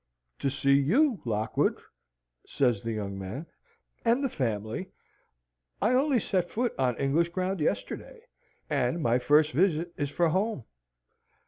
"To see you, Lockwood," says the young man, "and the family. I only set foot on English ground yesterday, and my first visit is for home.